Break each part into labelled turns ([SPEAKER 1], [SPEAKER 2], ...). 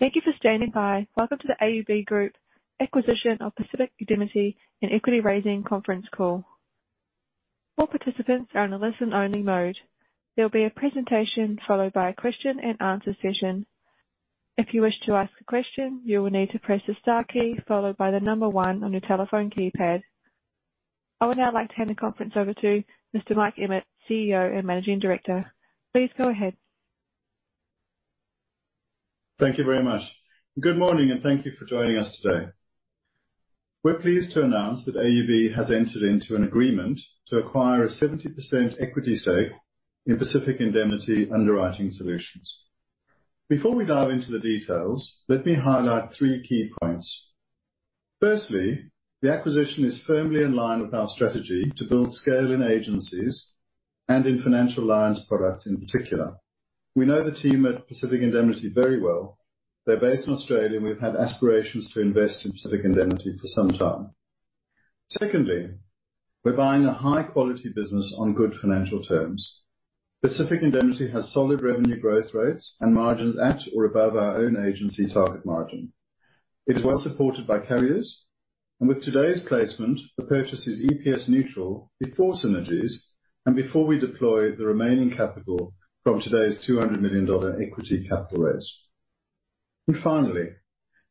[SPEAKER 1] Thank you for standing by. Welcome to the AUB Group acquisition of Pacific Indemnity and Equity Raising conference call. All participants are in a listen-only mode. There will be a presentation, followed by a question and answer session. If you wish to ask a question, you will need to press the star key followed by the number one on your telephone keypad. I would now like to hand the conference over to Mr. Mike Emmett, CEO and Managing Director. Please go ahead.
[SPEAKER 2] Thank you very much. Good morning, and thank you for joining us today. We're pleased to announce that AUB has entered into an agreement to acquire a 70% equity stake in Pacific Indemnity Underwriting Solutions. Before we dive into the details, let me highlight 3 key points. Firstly, the acquisition is firmly in line with our strategy to build scale in agencies and in financial lines products in particular. We know the team at Pacific Indemnity very well. They're based in Australia, and we've had aspirations to invest in Pacific Indemnity for some time. Secondly, we're buying a high-quality business on good financial terms. Pacific Indemnity has solid revenue growth rates and margins at or above our own agency target margin. It's well supported by carriers, and with today's placement, the purchase is EPS neutral before synergies and before we deploy the remaining capital from today's 200 million dollar equity capital raise. Finally,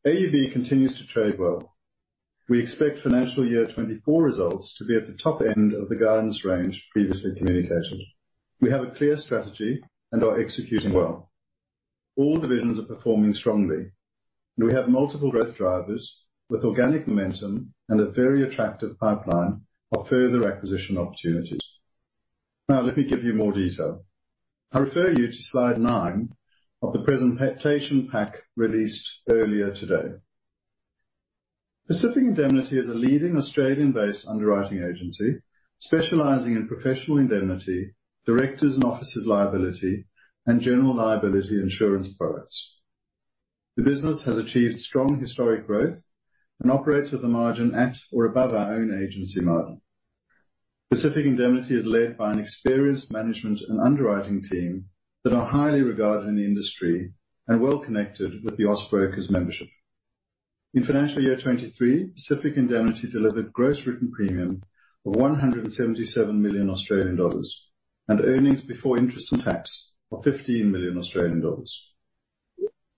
[SPEAKER 2] AUB continues to trade well. We expect financial year 2024 results to be at the top end of the guidance range previously communicated. We have a clear strategy and are executing well. All divisions are performing strongly, and we have multiple growth drivers with organic momentum and a very attractive pipeline of further acquisition opportunities. Now, let me give you more detail. I refer you to slide 9 of the presentation pack released earlier today. Pacific Indemnity is a leading Australian-based underwriting agency, specializing in professional indemnity, directors and officers' liability, and general liability insurance products. The business has achieved strong historic growth and operates at a margin at or above our own agency margin. Pacific Indemnity is led by an experienced management and underwriting team that are highly regarded in the industry and well connected with the Austbrokers membership. In financial year 2023, Pacific Indemnity delivered gross written premium of 177 million Australian dollars, and earnings before interest and tax of 15 million Australian dollars.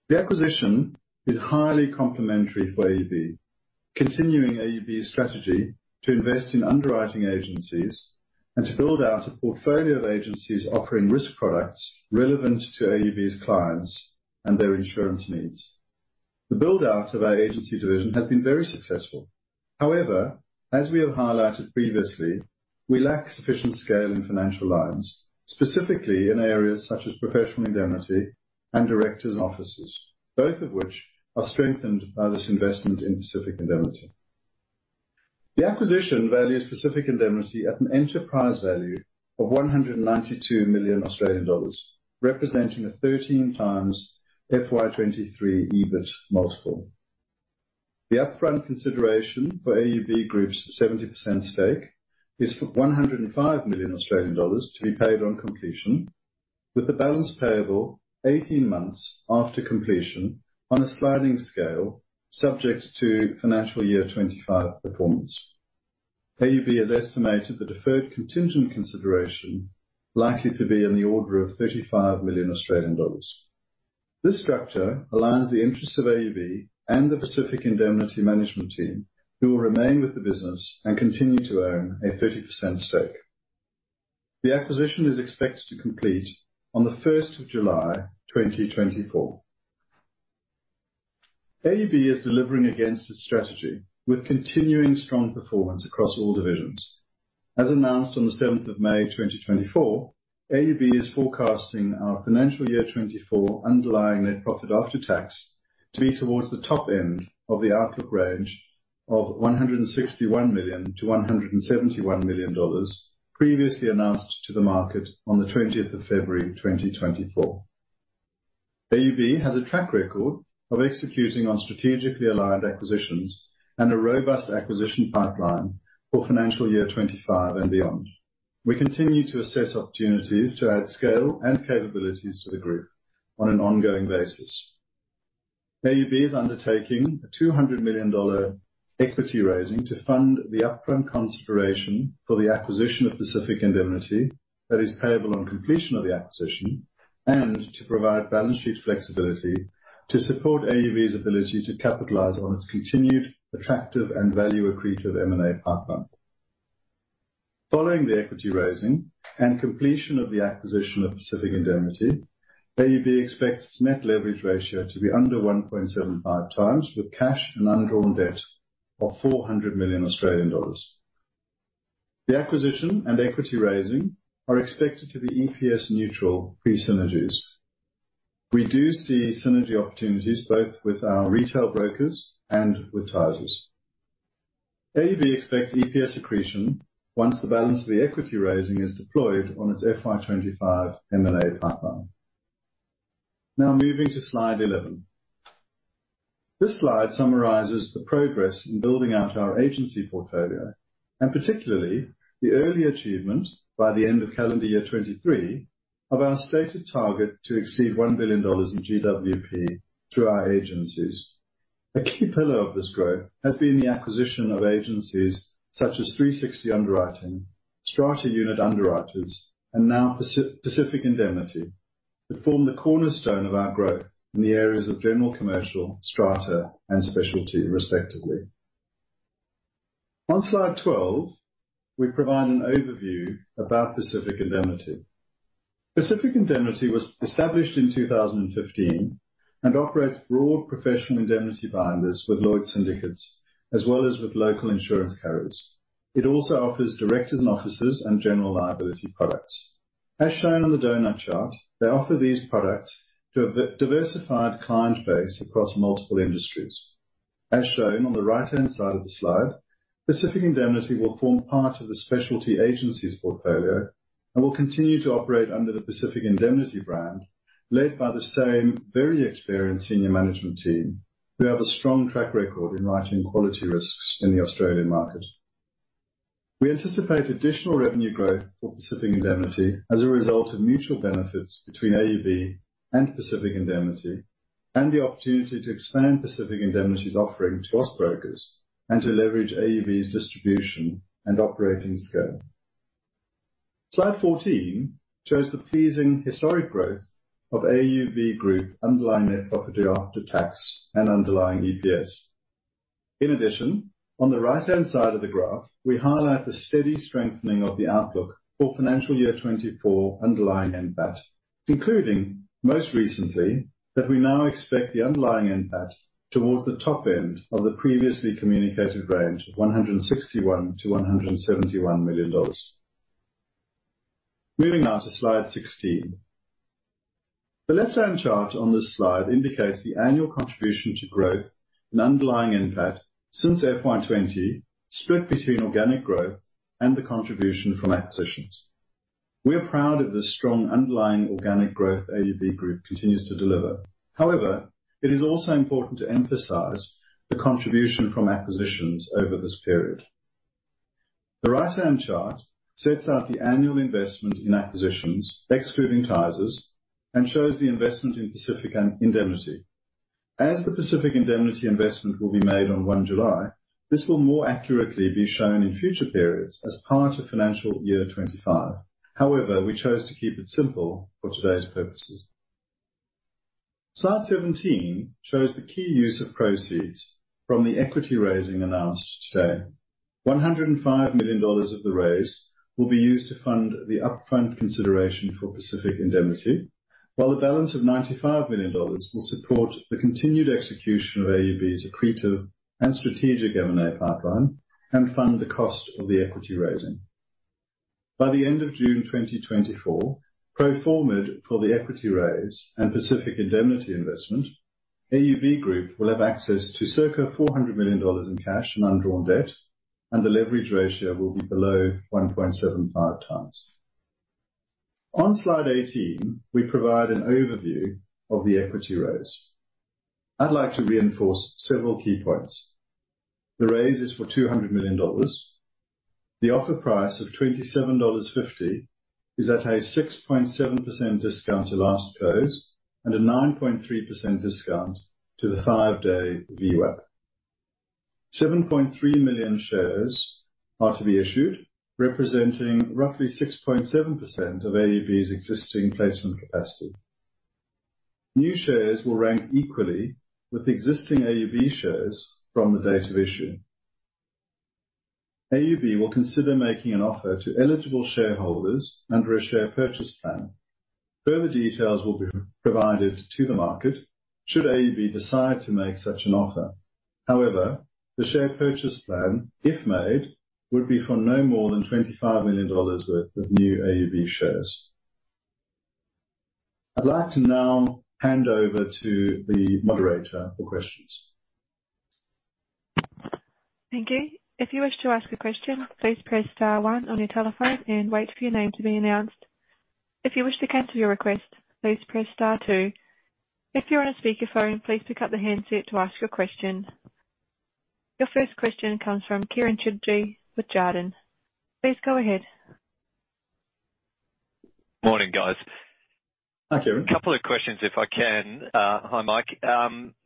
[SPEAKER 2] The acquisition is highly complementary for AUB, continuing AUB's strategy to invest in underwriting agencies and to build out a portfolio of agencies offering risk products relevant to AUB's clients and their insurance needs. The build-out of our agency division has been very successful. However, as we have highlighted previously, we lack sufficient scale in financial lines, specifically in areas such as professional indemnity and directors and officers, both of which are strengthened by this investment in Pacific Indemnity. The acquisition values Pacific Indemnity at an enterprise value of 192 million Australian dollars, representing a 13x FY 2023 EBIT multiple. The upfront consideration for AUB Group's 70% stake is for 105 million Australian dollars to be paid on completion, with the balance payable 18 months after completion on a sliding scale, subject to FY 2025 performance. AUB has estimated the deferred contingent consideration likely to be in the order of 35 million Australian dollars. This structure aligns the interests of AUB and the Pacific Indemnity management team, who will remain with the business and continue to own a 30% stake. The acquisition is expected to complete on July 1st, 2024. AUB is delivering against its strategy with continuing strong performance across all divisions. As announced on the seventh of May, 2024, AUB is forecasting our financial year 2024 underlying net profit after tax to be towards the top end of the outlook range of 161 million-171 million dollars, previously announced to the market on the twentieth of February, 2024. AUB has a track record of executing on strategically aligned acquisitions and a robust acquisition pipeline for financial year 2025 and beyond. We continue to assess opportunities to add scale and capabilities to the group on an ongoing basis. AUB is undertaking a 200 million dollar equity raising to fund the upfront consideration for the acquisition of Pacific Indemnity that is payable on completion of the acquisition, and to provide balance sheet flexibility to support AUB's ability to capitalize on its continued attractive and value-accretive M&A pipeline. Following the equity raising and completion of the acquisition of Pacific Indemnity, AUB expects its net leverage ratio to be under 1.75 times, with cash and undrawn debt of 400 million Australian dollars. The acquisition and equity raising are expected to be EPS neutral pre-synergies. We do see synergy opportunities, both with our retail brokers and with advisors. AUB expects EPS accretion once the balance of the equity raising is deployed on its FY 2025 M&A pipeline. Now moving to Slide 11. This slide summarizes the progress in building out our agency portfolio, and particularly, the early achievement by the end of calendar year 2023, of our stated target to exceed 1 billion dollars in GWP through our agencies. A key pillar of this growth has been the acquisition of agencies such as 360 Underwriting, Strata Unit Underwriters, and now Pacific Indemnity, that form the cornerstone of our growth in the areas of general commercial, strata, and specialty, respectively. On slide 12, we provide an overview about Pacific Indemnity. Pacific Indemnity was established in 2015 and operates broad professional indemnity binders with Lloyd's syndicates as well as with local insurance carriers. It also offers directors and officers and general liability products. As shown on the donut chart, they offer these products to a diversified client base across multiple industries. As shown on the right-hand side of the slide, Pacific Indemnity will form part of the specialty agencies portfolio and will continue to operate under the Pacific Indemnity brand, led by the same very experienced senior management team, who have a strong track record in writing quality risks in the Australian market. We anticipate additional revenue growth for Pacific Indemnity as a result of mutual benefits between AUB and Pacific Indemnity, and the opportunity to expand Pacific Indemnity's offering to Austbrokers, and to leverage AUB's distribution and operating scale. Slide 14 shows the pleasing historic growth of AUB Group underlying net profit after tax and underlying EPS. In addition, on the right-hand side of the graph, we highlight the steady strengthening of the outlook for financial year 2024 underlying NPAT, including, most recently, that we now expect the underlying NPAT towards the top end of the previously communicated range of 161 million-171 million dollars. Moving on to slide 16. The left-hand chart on this slide indicates the annual contribution to growth in underlying NPAT since FY 2020, split between organic growth and the contribution from acquisitions. We are proud of the strong underlying organic growth AUB Group continues to deliver. However, it is also important to emphasize the contribution from acquisitions over this period. The right-hand chart sets out the annual investment in acquisitions, excluding taxes, and shows the investment in Pacific Indemnity. As the Pacific Indemnity investment will be made on 1 July, this will more accurately be shown in future periods as part of financial year 2025. However, we chose to keep it simple for today's purposes. Slide 17 shows the key use of proceeds from the equity raising announced today. 105 million dollars of the raise will be used to fund the upfront consideration for Pacific Indemnity, while the balance of 95 million dollars will support the continued execution of AUB's accretive and strategic M&A pipeline and fund the cost of the equity raising. By the end of June 2024, pro forma for the equity raise and Pacific Indemnity investment, AUB Group will have access to circa 400 million dollars in cash and undrawn debt, and the leverage ratio will be below 1.75x. On Slide 18, we provide an overview of the equity raise. I'd like to reinforce several key points. The raise is for 200 million dollars. The offer price of 27.50 dollars is at a 6.7% discount to last close and a 9.3% discount to the five-day VWAP. 7.3 million shares are to be issued, representing roughly 6.7% of AUB's existing placement capacity. New shares will rank equally with existing AUB shares from the date of issue. AUB will consider making an offer to eligible shareholders under a share purchase plan. Further details will be provided to the market, should AUB decide to make such an offer. However, the share purchase plan, if made, would be for no more than 25 million dollars worth of new AUB shares. I'd like to now hand over to the moderator for questions.
[SPEAKER 1] Thank you. If you wish to ask a question, please press star one on your telephone and wait for your name to be announced. If you wish to cancel your request, please press star two. If you're on a speakerphone, please pick up the handset to ask your question. Your first question comes from Kieran Chidgey with Jarden. Please go ahead.
[SPEAKER 3] Morning, guys.
[SPEAKER 2] Hi, Kieran.
[SPEAKER 3] A couple of questions, if I can. Hi, Mike.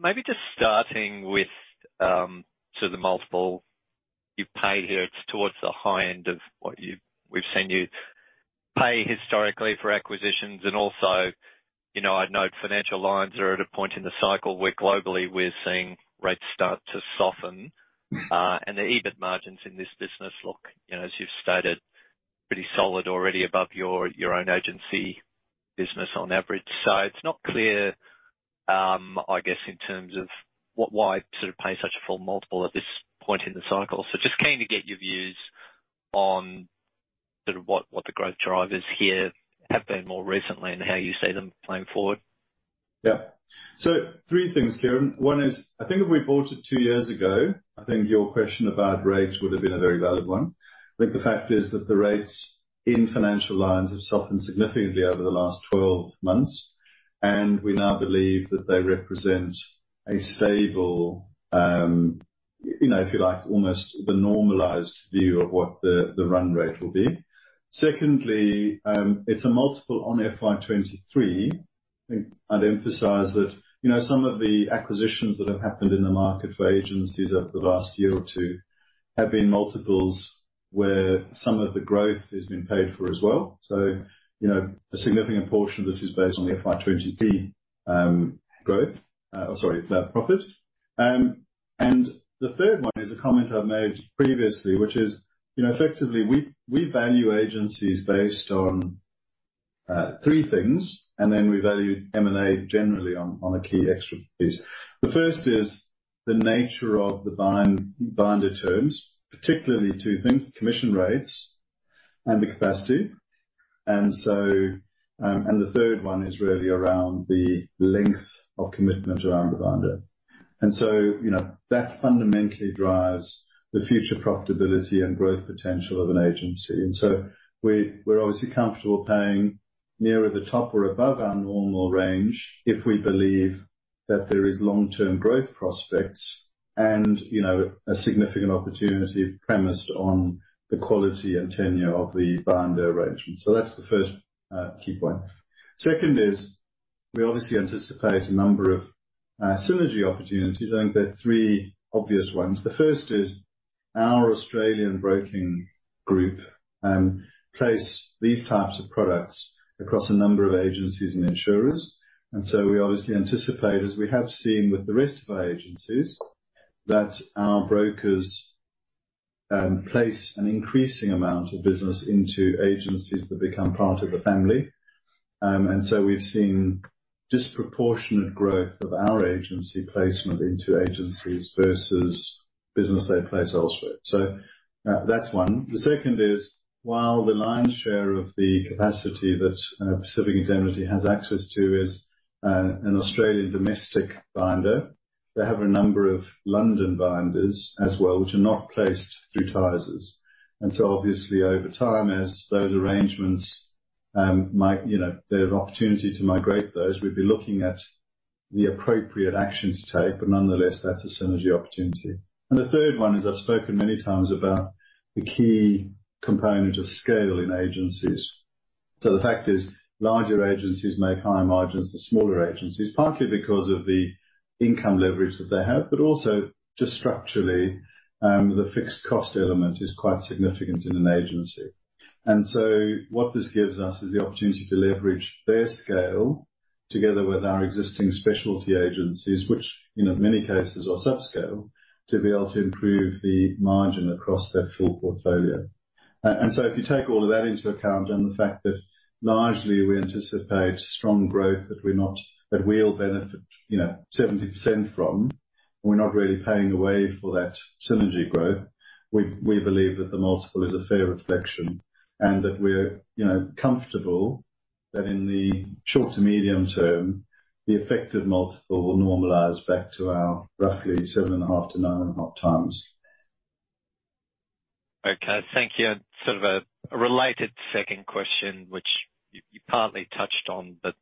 [SPEAKER 3] Maybe just starting with, so the multiple you pay here, it's towards the high end of what we've seen you pay historically for acquisitions, and also, you know, I'd note Financial Lines are at a point in the cycle where globally we're seeing rates start to soften. And the EBIT margins in this business look, you know, as you've stated, pretty solid already above your, your own agency business on average. So it's not clear, I guess, in terms of what. Why sort of pay such a full multiple at this point in the cycle? So just keen to get your views on sort of what, what the growth drivers here have been more recently and how you see them playing forward.
[SPEAKER 2] Yeah. So three things, Kieran. One is, I think if we bought it two years ago, I think your question about rates would have been a very valid one. I think the fact is that the rates in Financial Lines have softened significantly over the last 12 months. And we now believe that they represent a stable, you know, if you like, almost the normalized view of what the run rate will be. Secondly, it's a multiple on FY 2023. I'd emphasize that, you know, some of the acquisitions that have happened in the market for agencies over the last year or two have been multiples where some of the growth has been paid for as well. So, you know, a significant portion of this is based on the FY 2023 growth, sorry, profit. And the third one is a comment I've made previously, which is, you know, effectively, we value agencies based on three things, and then we value M&A generally on a key extra piece. The first is the nature of the binder terms, particularly two things, commission rates and the capacity. And so, and the third one is really around the length of commitment around the binder. And so, you know, that fundamentally drives the future profitability and growth potential of an agency. And so we're obviously comfortable paying nearer the top or above our normal range, if we believe that there is long-term growth prospects and, you know, a significant opportunity premised on the quality and tenure of the binder arrangement. So that's the first, key point. Second is, we obviously anticipate a number of, synergy opportunities. I think there are three obvious ones. The first is our Australian broking group place these types of products across a number of agencies and insurers, and so we obviously anticipate, as we have seen with the rest of our agencies, that our brokers place an increasing amount of business into agencies that become part of the family. And so we've seen disproportionate growth of our agency placement into agencies versus business they place elsewhere. So, that's one. The second is, while the lion's share of the capacity that Pacific Indemnity has access to is an Australian domestic binder, they have a number of London binders as well, which are not placed through Tysers. And so obviously, over time, as those arrangements might, you know, there's opportunity to migrate those, we'd be looking at the appropriate action to take, but nonetheless, that's a synergy opportunity. And the third one is, I've spoken many times about the key component of scale in agencies. So the fact is, larger agencies make higher margins than smaller agencies, partly because of the income leverage that they have, but also just structurally, the fixed cost element is quite significant in an agency. And so what this gives us is the opportunity to leverage their scale together with our existing specialty agencies, which, in many cases, are subscale, to be able to improve the margin across their full portfolio. And so if you take all of that into account, and the fact that largely we anticipate strong growth, that we're not... That we'll benefit, you know, 70% from, we're not really paying away for that synergy growth. We believe that the multiple is a fair reflection and that we're, you know, comfortable that in the short to medium term, the effect of multiple will normalize back to our roughly 7.5x-9.5x.
[SPEAKER 3] Okay, thank you. And sort of a related second question, which you partly touched on, but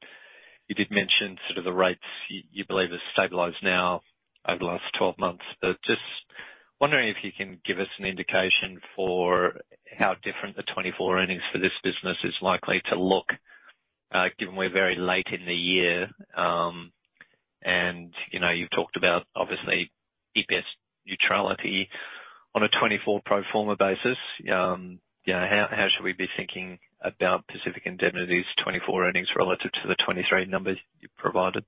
[SPEAKER 3] you did mention sort of the rates you believe have stabilized now over the last 12 months. But just wondering if you can give us an indication for how different the 2024 earnings for this business is likely to look, given we're very late in the year. And, you know, you've talked about, obviously, EPS neutrality on a 2024 pro forma basis. You know, how should we be thinking about Pacific Indemnity's 2024 earnings relative to the 2023 numbers you provided?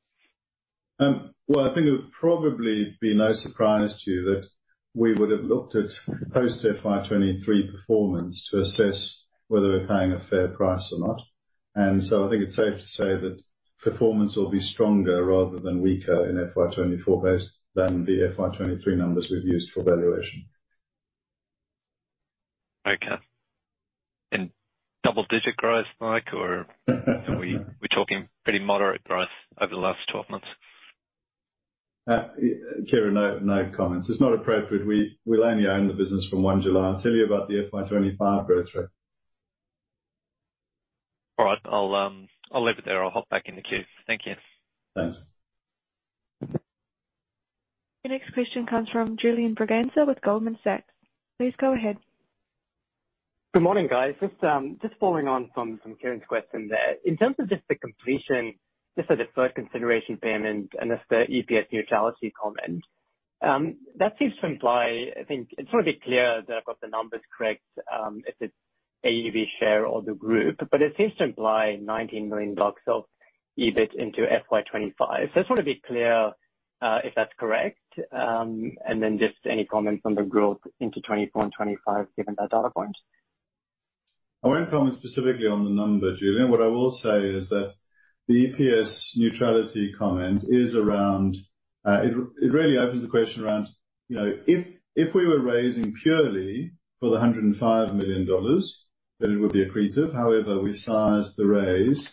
[SPEAKER 2] Well, I think it would probably be no surprise to you that we would have looked at post FY 2023 performance to assess whether we're paying a fair price or not. So I think it's safe to say that performance will be stronger rather than weaker in FY 2024 based on the FY 2023 numbers we've used for valuation.
[SPEAKER 3] Okay. And double-digit growth, Mike, or we're talking pretty moderate growth over the last 12 months?
[SPEAKER 2] Kieran, no, no comment. It's not appropriate. We only own the business from 1 July. I'll tell you about the FY 2025 growth rate.
[SPEAKER 3] All right. I'll, I'll leave it there. I'll hop back in the queue. Thank you.
[SPEAKER 2] Thanks.
[SPEAKER 1] Your next question comes from Julian Braganza with Goldman Sachs. Please go ahead.
[SPEAKER 4] Good morning, guys. Just just following on from from Kieran's question there. In terms of just the completion just of the first consideration payment and just the EPS neutrality comment, that seems to imply, I think... I just want to be clear that I've got the numbers correct, if it's AUB share or the group, but it seems to imply 19 million bucks of EBIT into FY 2025. So I just want to be clear if that's correct, and then just any comments on the growth into 2024 and 2025, given that data point?
[SPEAKER 2] I won't comment specifically on the number, Julian. What I will say is that the EPS neutrality comment is around it really opens the question around, you know, if we were raising purely for the 105 million dollars, then it would be accretive. However, we sized the raise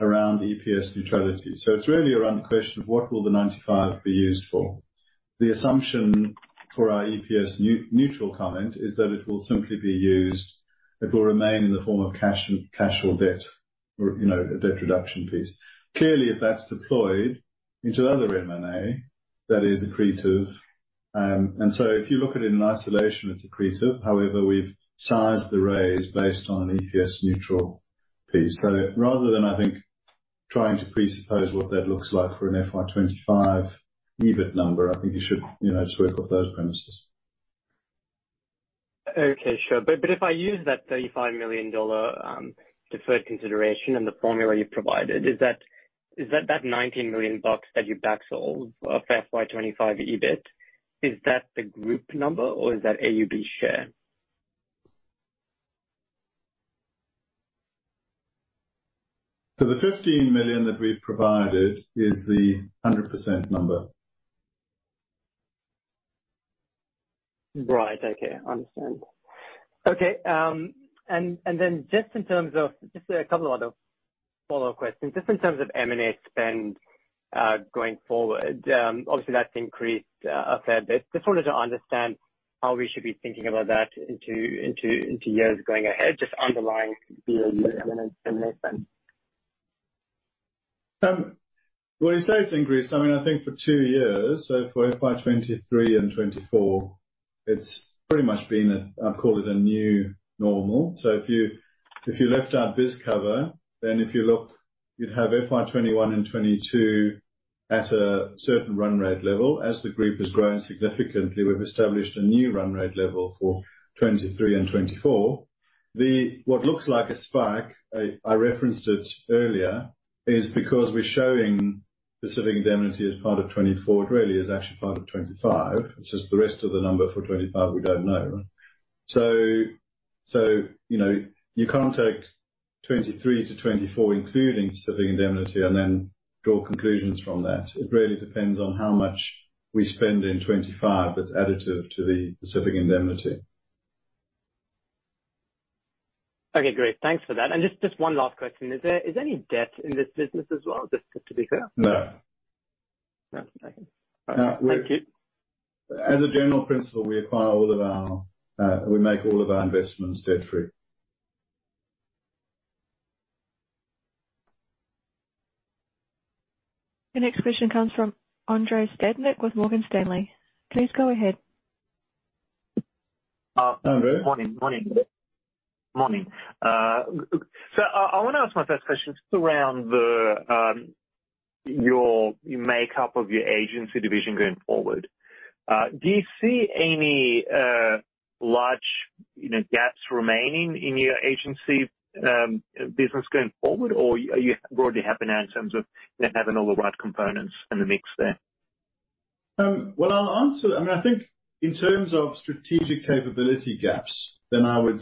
[SPEAKER 2] around EPS neutrality. So it's really around the question of what will the 95 be used for? The assumption for our EPS neutral comment is that it will simply be used, it will remain in the form of cash and cash or debt or, you know, a debt reduction piece. Clearly, if that's deployed into other M&A, that is accretive. And so if you look at it in isolation, it's accretive. However, we've sized the raise based on an EPS neutral piece. Rather than, I think, trying to presuppose what that looks like for an FY 2025 EBIT number, I think you should, you know, just work off those premises.
[SPEAKER 4] Okay, sure. But, but if I use that 35 million dollar deferred consideration and the formula you've provided, is that, is that, that 19 million bucks that you back-solved for FY 2025 EBIT, is that the group number, or is that AUB share?
[SPEAKER 2] The 15 million that we've provided is the 100% number.
[SPEAKER 4] Right. Okay, I understand. Okay, and then just in terms of—just a couple of other follow-up questions. Just in terms of M&A spend, going forward, obviously that's increased a fair bit. Just wanted to understand how we should be thinking about that into years going ahead, just underlying the M&A spend.
[SPEAKER 2] Well, you say it's increased, I mean, I think for two years, so for FY 2023 and 2024, it's pretty much been a, I'd call it a new normal. So if you, if you left out BizCover, then if you look, you'd have FY 2021 and 2022 at a certain run rate level. As the group has grown significantly, we've established a new run rate level for 2023 and 2024. What looks like a spike, I referenced it earlier, is because we're showing Pacific Indemnity as part of 2024, it really is actually part of 2025. It's just the rest of the number for 2025 we don't know. So, so, you know, you can't take 2023-2024, including Pacific Indemnity, and then draw conclusions from that. It really depends on how much we spend in 2025 that's additive to the Pacific Indemnity.
[SPEAKER 4] Okay, great. Thanks for that. And just one last question. Is there any debt in this business as well, just to be clear?
[SPEAKER 2] No.
[SPEAKER 4] No. Okay.
[SPEAKER 2] Uh, we-
[SPEAKER 4] Thank you.
[SPEAKER 2] As a general principle, we make all of our investments debt-free.
[SPEAKER 1] The next question comes from Andrei Stadnik with Morgan Stanley. Please go ahead.
[SPEAKER 2] Hi, Andrei.
[SPEAKER 5] Morning, morning. Morning. So I wanna ask my first question just around your makeup of your agency division going forward. Do you see any large, you know, gaps remaining in your agency business going forward? Or are you broadly happy now in terms of having all the right components in the mix there?
[SPEAKER 2] Well, I'll answer... I mean, I think in terms of strategic capability gaps, then I would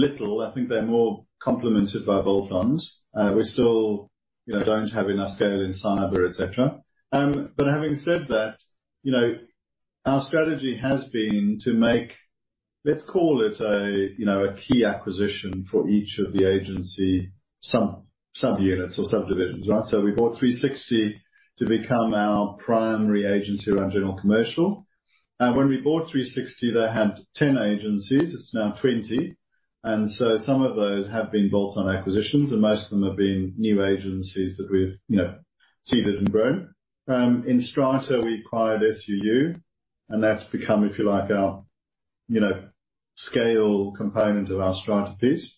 [SPEAKER 2] say little. I think they're more complemented by bolt-ons. We still, you know, don't have enough scale in cyber, et cetera. But having said that, you know, our strategy has been to make, let's call it a, you know, a key acquisition for each of the agency, sub, sub-units or sub-divisions, right? So we bought 360 to become our primary agency around general commercial, and when we bought 360, they had 10 agencies. It's now 20. And so some of those have been bolt-on acquisitions, and most of them have been new agencies that we've, you know, seeded and grown. In strata, we acquired SUU, and that's become, if you like, our, you know, scale component of our strata piece.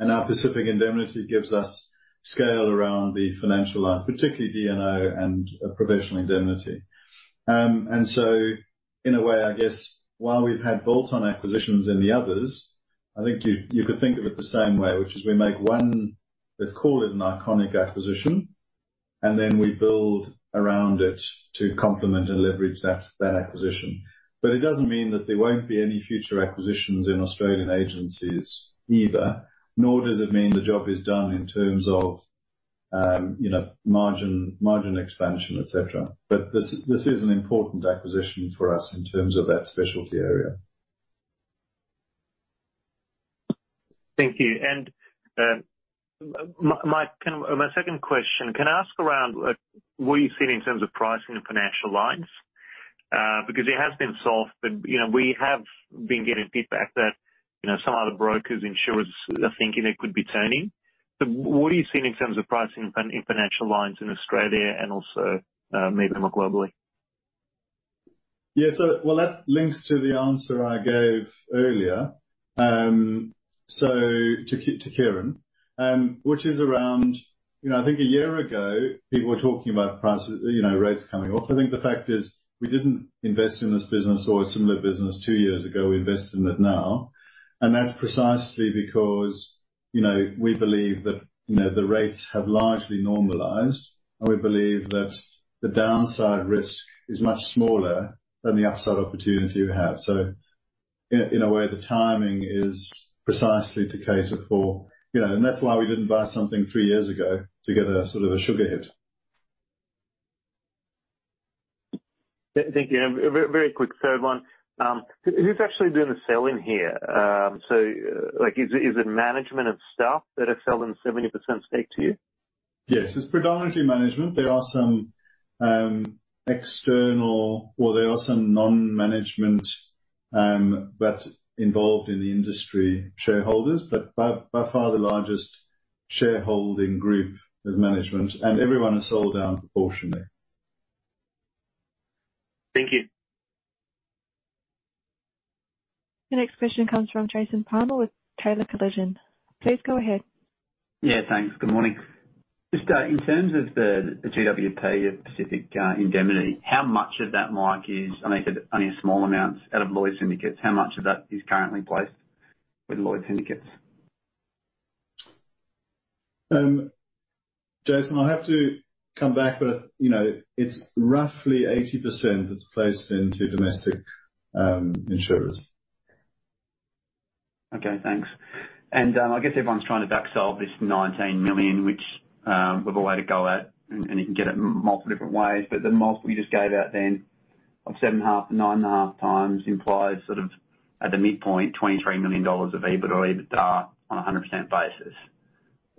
[SPEAKER 2] And our Pacific Indemnity gives us scale around the financial lines, particularly D&O and, professional indemnity. And so, in a way, I guess, while we've had bolt-on acquisitions in the others, I think you, you could think of it the same way, which is we make one, let's call it an iconic acquisition, and then we build around it to complement and leverage that, that acquisition. But it doesn't mean that there won't be any future acquisitions in Australian agencies either, nor does it mean the job is done in terms of, you know, margin, margin expansion, et cetera. But this, this is an important acquisition for us in terms of that specialty area.
[SPEAKER 5] Thank you. And, my, kind of, my second question, can I ask around, what are you seeing in terms of pricing in financial lines? Because it has been soft, but, you know, we have been getting feedback that, you know, some of the brokers, insurers are thinking it could be turning. So what are you seeing in terms of pricing in, in financial lines in Australia and also, maybe more globally?
[SPEAKER 2] Yeah. So, well, that links to the answer I gave earlier, so to Kieran, which is around... You know, I think a year ago, people were talking about prices, you know, rates coming off. I think the fact is we didn't invest in this business or a similar business two years ago. We invested in it now, and that's precisely because, you know, we believe that, you know, the rates have largely normalized, and we believe that the downside risk is much smaller than the upside opportunity we have. So in a way, the timing is precisely to cater for, you know... And that's why we didn't buy something three years ago, to get a sort of a sugar hit.
[SPEAKER 5] Thank you. A very quick third one. Who's actually doing the selling here? So, like is it, is it management and staff that have sold in 70% stake to you?
[SPEAKER 2] Yes, it's predominantly management. There are some external, or there are some non-management, but involved in the industry, shareholders, but by far the largest shareholding group is management, and everyone has sold down proportionally.
[SPEAKER 5] Thank you.
[SPEAKER 1] The next question comes from Jason Palmer with Taylor Collison. Please go ahead.
[SPEAKER 6] Yeah, thanks. Good morning. Just in terms of the GWP of Pacific Indemnity, how much of that, Mike, is, I mean, only a small amount out of Lloyd's syndicates, how much of that is currently placed with Lloyd's syndicates?
[SPEAKER 2] Jason, I'll have to come back, but, you know, it's roughly 80% that's placed into domestic insurers.
[SPEAKER 6] Okay, thanks. And, I guess everyone's trying to back solve this 19 million, which, we've a way to go at, and, and you can get it multiple different ways, but the multiple you just gave out then, of 7.5x-9.5x implies sort of, at the midpoint, 23 million dollars of EBITDA on a 100% basis.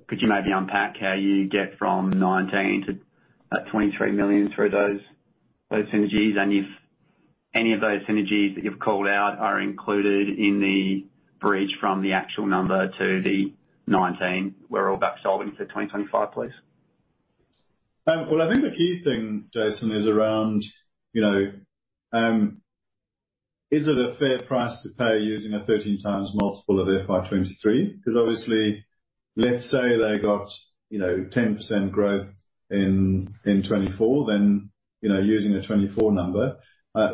[SPEAKER 6] Could you maybe unpack how you get from 19 to that 23 million through those, those synergies, and if any of those synergies that you've called out are included in the bridge from the actual number to the 19, we're all back solving for 2025, please?
[SPEAKER 2] Well, I think the key thing, Jason, is around, you know, is it a fair price to pay using a 13x multiple of FY 2023? Because obviously, let's say they got, you know, 10% growth in, in 2024, then, you know, using the 2024 number,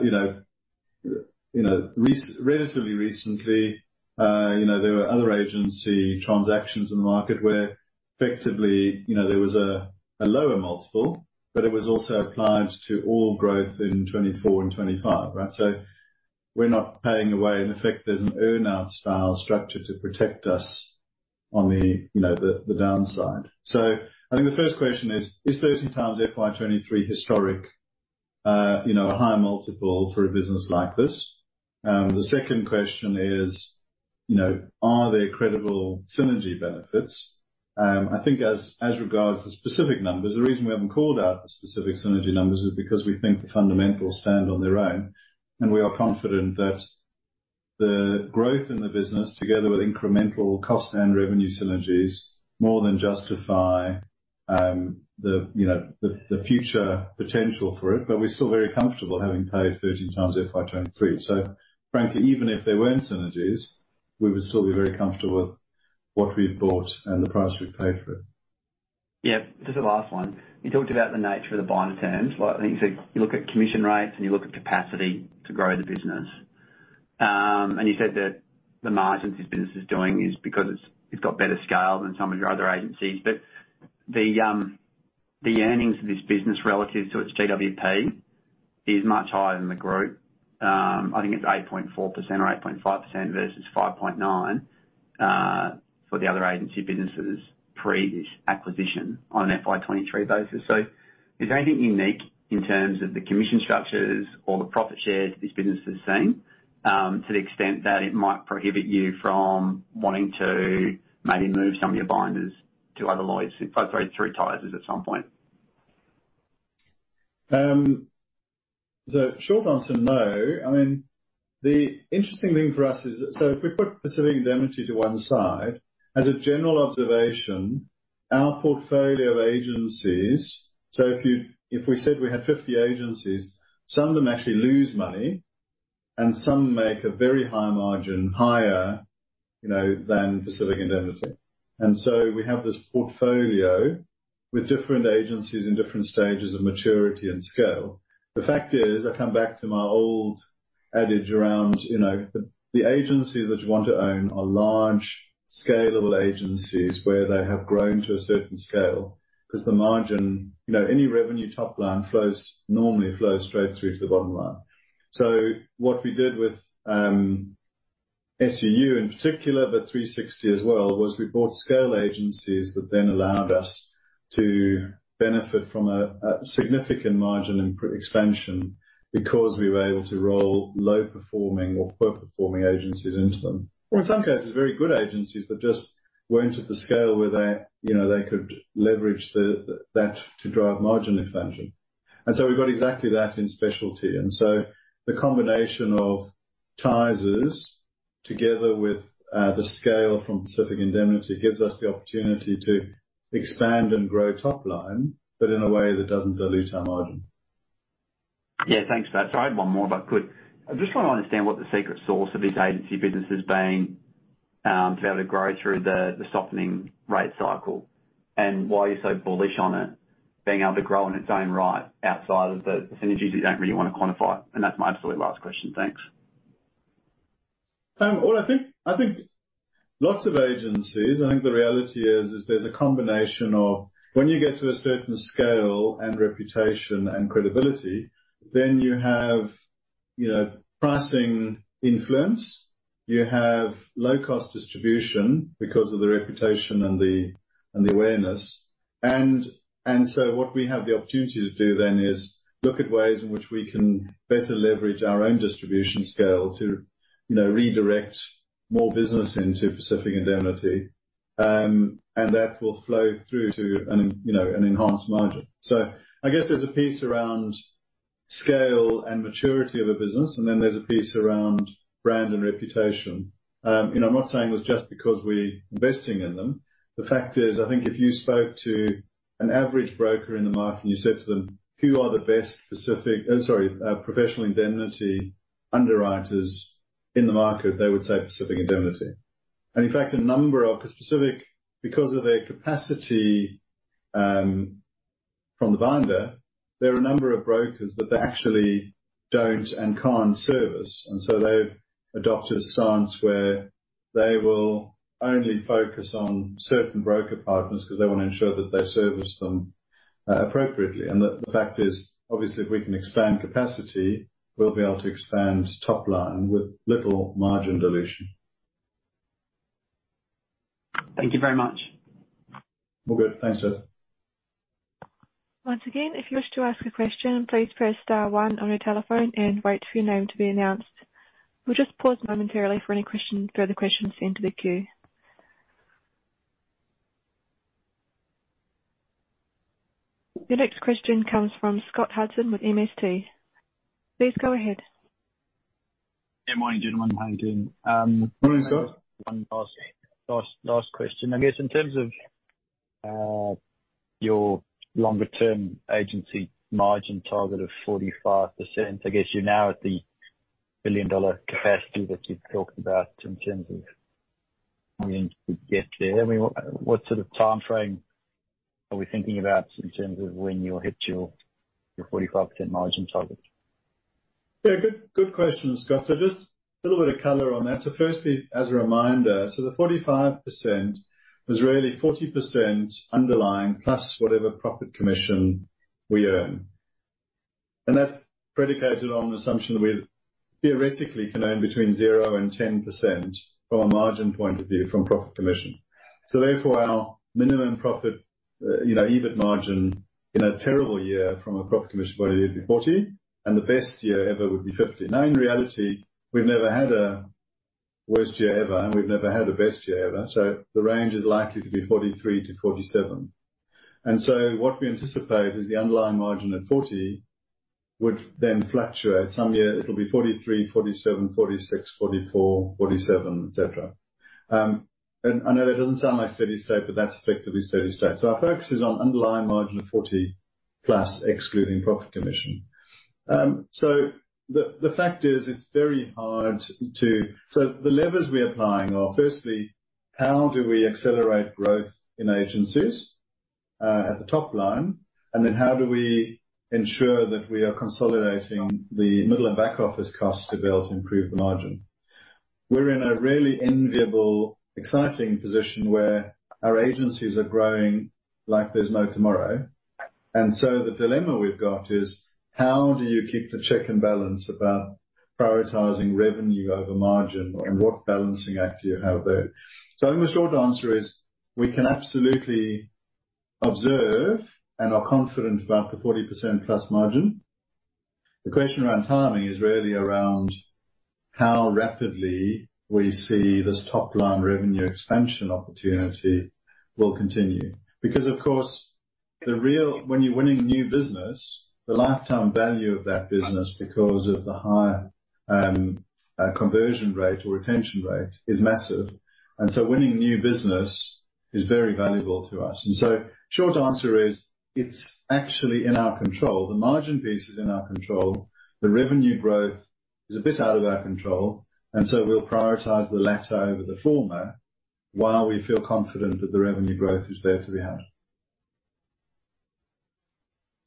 [SPEAKER 2] you know, you know, relatively recently, you know, there were other agency transactions in the market where effectively, you know, there was a, a lower multiple, but it was also applied to all growth in 2024 and 2025, right? So we're not paying away. In effect, there's an earn out style structure to protect us on the, you know, the, the downside. So I think the first question is: Is 13x FY 2023 historic, you know, a high multiple for a business like this? The second question is, you know, are there credible synergy benefits? I think as, as regards the specific numbers, the reason we haven't called out the specific synergy numbers is because we think the fundamentals stand on their own, and we are confident that the growth in the business, together with incremental cost and revenue synergies, more than justify, the, you know, the, the future potential for it. But we're still very comfortable having paid 13x FY 2023. So frankly, even if there weren't synergies, we would still be very comfortable with what we've bought and the price we've paid for it.
[SPEAKER 6] Yeah. Just the last one. You talked about the nature of the buyer terms. Like, I think you said you look at commission rates, and you look at capacity to grow the business. And you said that the margins this business is doing is because it's got better scale than some of your other agencies. But the earnings of this business relative to its GWP is much higher than the group. I think it's 8.4% or 8.5% versus 5.9% for the other agency businesses pre this acquisition on an FY 2023 basis. So is there anything unique in terms of the commission structures or the profit shares this business has seen, to the extent that it might prohibit you from wanting to maybe move some of your binders to other Lloyd's, sorry, through Tysers at some point?
[SPEAKER 2] So short answer, no. I mean, the interesting thing for us is... So if we put Pacific Indemnity to one side, as a general observation, our portfolio of agencies, so if we said we had 50 agencies, some of them actually lose money, and some make a very high margin, higher, you know, than Pacific Indemnity. And so we have this portfolio with different agencies in different stages of maturity and scale. The fact is, I come back to my old adage around, you know, the agencies that you want to own are large, scalable agencies where they have grown to a certain scale, because the margin, you know, any revenue top line flows, normally flows straight through to the bottom line. So what we did with, SUU in particular, but 360 as well, was we bought scale agencies that then allowed us to benefit from a significant margin and expansion because we were able to roll low-performing or poor-performing agencies into them, or in some cases, very good agencies that just weren't at the scale where they, you know, they could leverage the, that to drive margin expansion. And so we've got exactly that in specialty. And so the combination of Tysers together with the scale from Pacific Indemnity gives us the opportunity to expand and grow top line, but in a way that doesn't dilute our margin.
[SPEAKER 6] Yeah. Thanks for that. So I had one more, if I could. I just want to understand what the secret sauce of this agency business has been, to be able to grow through the softening rate cycle, and why you're so bullish on it being able to grow in its own right outside of the synergies you don't really want to quantify. And that's my absolute last question. Thanks.
[SPEAKER 2] Well, I think, I think lots of agencies, I think the reality is, there's a combination of when you get to a certain scale and reputation and credibility, then you have, you know, pricing influence, you have low-cost distribution because of the reputation and the, and the awareness. And so what we have the opportunity to do then is look at ways in which we can better leverage our own distribution scale to, you know, redirect more business into Pacific Indemnity... and that will flow through to an, you know, an enhanced margin. So I guess there's a piece around scale and maturity of a business, and then there's a piece around brand and reputation. You know, I'm not saying it's just because we're investing in them. The fact is, I think if you spoke to an average broker in the market, and you said to them, "Who are the best Professional Indemnity underwriters in the market?" They would say Pacific Indemnity. And in fact, a number of Pacific, because of their capacity from the binder, there are a number of brokers that they actually don't and can't service. And so they've adopted a stance where they will only focus on certain broker partners because they want to ensure that they service them appropriately. And the fact is, obviously, if we can expand capacity, we'll be able to expand top line with little margin dilution.
[SPEAKER 6] Thank you very much.
[SPEAKER 2] All good. Thanks, Jason.
[SPEAKER 1] Once again, if you wish to ask a question, please press star one on your telephone and wait for your name to be announced. We'll just pause momentarily for any question, further questions to enter the queue. The next question comes from Scott Hudson with MST. Please go ahead.
[SPEAKER 7] Yeah, morning, gentlemen. How you doing?
[SPEAKER 2] Morning, Scott.
[SPEAKER 7] One last, last, last question. I guess, in terms of your longer-term agency margin target of 45%, I guess you're now at the billion-dollar capacity that you've talked about in terms of when you get there. I mean, what, what sort of timeframe are we thinking about in terms of when you'll hit your, your 45% margin target?
[SPEAKER 2] Yeah, good, good question, Scott. So just a little bit of color on that. So firstly, as a reminder, so the 45% was really 40% underlying, plus whatever profit commission we earn. And that's predicated on the assumption that we theoretically can own between 0% and 10% from a margin point of view from profit commission. So therefore, our minimum profit, you know, EBIT margin in a terrible year from a profit commission point of view would be 40%, and the best year ever would be 50%. Now, in reality, we've never had a worst year ever, and we've never had a best year ever, so the range is likely to be 43%-47%. And so what we anticipate is the underlying margin at 40%, which then fluctuates. Some years it'll be 43%, 47%, 46%, 44%, 47%, et cetera. And I know that doesn't sound like steady state, but that's effectively steady state. So our focus is on underlying margin of 40+ excluding profit commission. So the fact is it's very hard to... So the levers we're applying are, firstly, how do we accelerate growth in agencies at the top line? And then how do we ensure that we are consolidating the middle and back office costs to be able to improve the margin? We're in a really enviable, exciting position where our agencies are growing like there's no tomorrow. And so the dilemma we've got is: How do you keep the check and balance about prioritizing revenue over margin, and what balancing act do you have there? So I think the short answer is, we can absolutely observe and are confident about the 40%+ margin. The question around timing is really around how rapidly we see this top-line revenue expansion opportunity will continue. Because, of course, the real... When you're winning new business, the lifetime value of that business, because of the high conversion rate or retention rate, is massive. And so winning new business is very valuable to us. And so short answer is, it's actually in our control. The margin piece is in our control. The revenue growth is a bit out of our control, and so we'll prioritize the latter over the former, while we feel confident that the revenue growth is there to be had.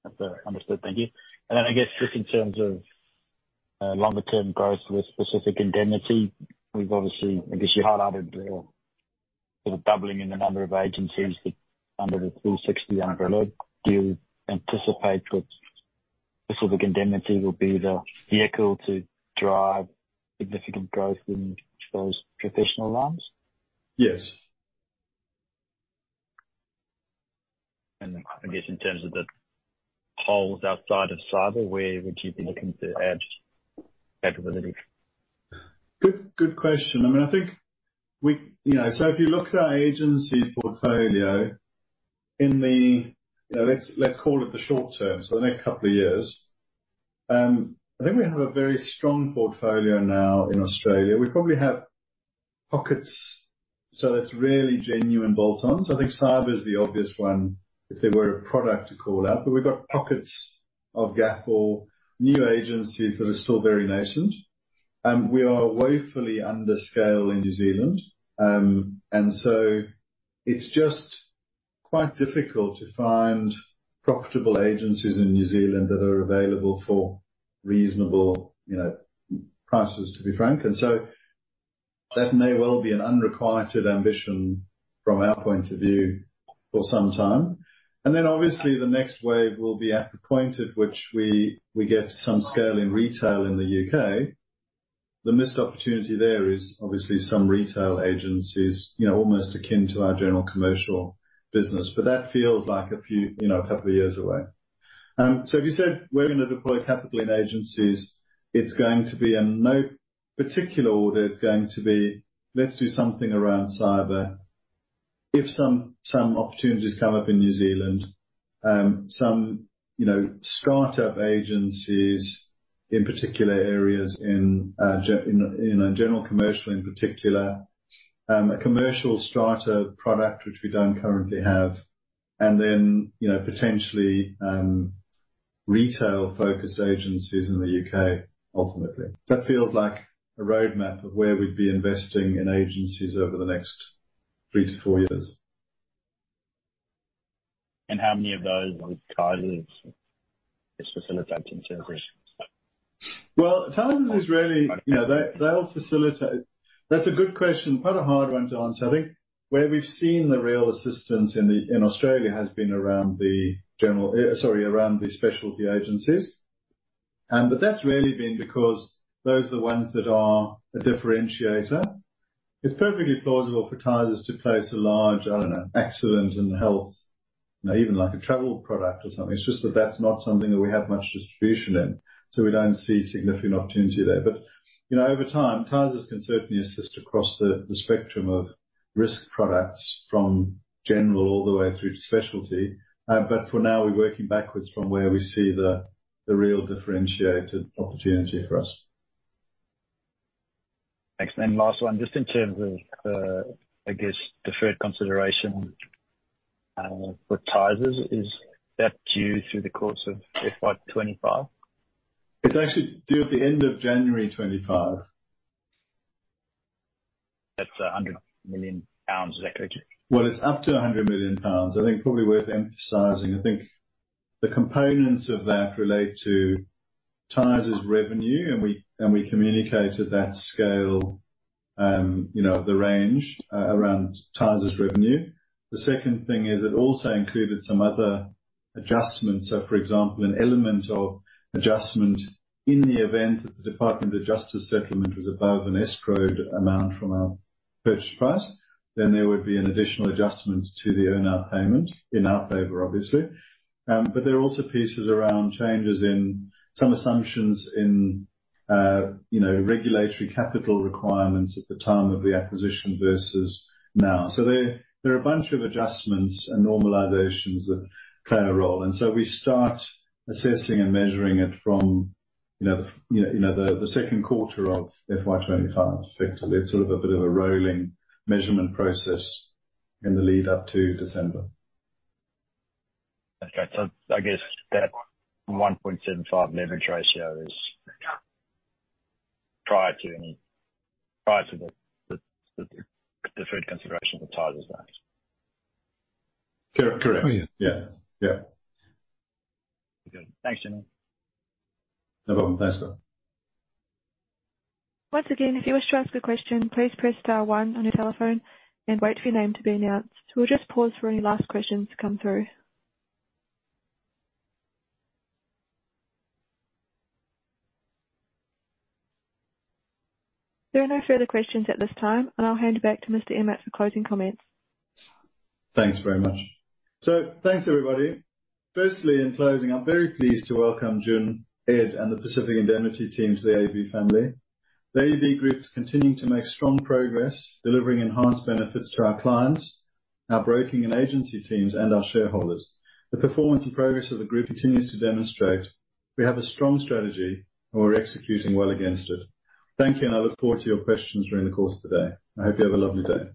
[SPEAKER 7] That's understood. Thank you. And then I guess just in terms of longer term growth with Pacific Indemnity, we've obviously, I guess, you highlighted the sort of doubling in the number of agencies that under the AUB Group umbrella. Do you anticipate that Pacific Indemnity will be the vehicle to drive significant growth in those professional lines?
[SPEAKER 2] Yes.
[SPEAKER 7] And then I guess in terms of the holes outside of cyber, where would you be looking to add capabilities?
[SPEAKER 2] Good, good question. I mean, I think we... You know, so if you look at our agencies portfolio in the, you know, let's, let's call it the short term, so the next couple of years, I think we have a very strong portfolio now in Australia. We probably have pockets, so it's really genuine bolt-ons. I think cyber is the obvious one, if there were a product to call out, but we've got pockets of gap or new agencies that are still very nascent. We are woefully under scale in New Zealand. And so it's just quite difficult to find profitable agencies in New Zealand that are available for reasonable, you know, prices, to be frank. And so that may well be an unrequited ambition from our point of view for some time. Then obviously, the next wave will be at the point at which we get some scale in retail in the U.K. The missed opportunity there is obviously some retail agencies, you know, almost akin to our general commercial business, but that feels like a few, you know, a couple of years away. So if you said we're going to deploy capital in agencies, it's going to be not in any particular order, it's going to be, let's do something around cyber. If some opportunities come up in New Zealand, some, you know, startup agencies, in particular areas in general commercial, in particular, a commercial strata product, which we don't currently have, and then, you know, potentially, retail-focused agencies in the U.K., ultimately. That feels like a roadmap of where we'd be investing in agencies over the next 3-4 years.
[SPEAKER 7] How many of those would Tysers facilitate in terms of?
[SPEAKER 2] Well, Tysers is really, you know, they, they'll facilitate... That's a good question. Quite a hard one to answer. I think where we've seen the real assistance in the, in Australia has been around the specialty agencies. And, but that's really been because those are the ones that are a differentiator. It's perfectly plausible for Tysers to place a large, I don't know, Accident and Health, you know, even like a travel product or something. It's just that that's not something that we have much distribution in, so we don't see significant opportunity there. But, you know, over time, Tysers can certainly assist across the, the spectrum of risk products from general all the way through to specialty. But for now, we're working backwards from where we see the, the real differentiated opportunity for us.
[SPEAKER 7] Thanks. And then last one, just in terms of the, I guess, deferred consideration with Tysers, is that due through the course of FY 2025?
[SPEAKER 2] It's actually due at the end of January 2025.
[SPEAKER 7] That's 100 million pounds. Is that correct?
[SPEAKER 2] Well, it's up to 100 million pounds. I think probably worth emphasizing, I think the components of that relate to Tysers revenue, and we, and we communicated that scale, you know, the range around Tysers revenue. The second thing is it also included some other adjustments, so for example, an element of adjustment in the event that the U.S. Department of Justice settlement was above an escrowed amount from our purchase price, then there would be an additional adjustment to the earn-out payment, in our favor, obviously. But there are also pieces around changes in some assumptions in, you know, regulatory capital requirements at the time of the acquisition versus now. So there are a bunch of adjustments and normalizations that play a role, and so we start assessing and measuring it from, you know, the second quarter of FY 2025, effectively. It's sort of a bit of a rolling measurement process in the lead up to December.
[SPEAKER 7] Okay. I guess that 1.75 leverage ratio is prior to any, prior to the deferred consideration for Tysers then?
[SPEAKER 2] Correct. Yeah. Yeah.
[SPEAKER 7] Good. Thanks, Jimmy.
[SPEAKER 2] No problem. Thanks, Scott.
[SPEAKER 1] Once again, if you wish to ask a question, please press star one on your telephone and wait for your name to be announced. We'll just pause for any last questions to come through. There are no further questions at this time, and I'll hand it back to Mr. Emmett for closing comments.
[SPEAKER 2] Thanks very much. So, thanks, everybody. Firstly, in closing, I'm very pleased to welcome Jun, Ed, and the Pacific Indemnity team to the AUB family. The AUB Group's continuing to make strong progress, delivering enhanced benefits to our clients, our broking and agency teams, and our shareholders. The performance and progress of the group continues to demonstrate we have a strong strategy, and we're executing well against it. Thank you, and I look forward to your questions during the course of the day. I hope you have a lovely day.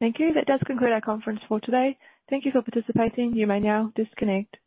[SPEAKER 1] Thank you. That does conclude our conference for today. Thank you for participating. You may now disconnect.